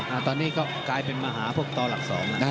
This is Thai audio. น้ำงวยก็กลายเป็นมหาต้อหลักสอง